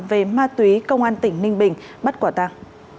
về ma túy công an tỉnh ninh bình bắt quả tàng